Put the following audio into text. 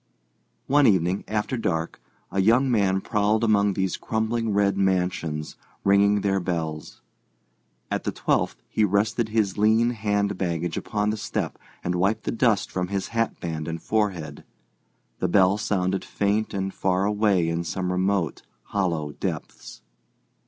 One evening after dark a young man prowled among these crumbling red mansions, ringing their bells. At the twelfth he rested his lean hand baggage upon the step and wiped the dust from his hatband and forehead. The bell sounded faint and far away in some remote, hollow depths.